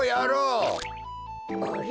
あれ？